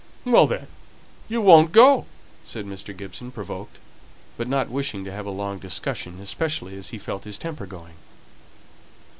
"Well, then, you won't go!" said Mr. Gibson, provoked, but not wishing to have a long discussion, especially as he felt his temper going.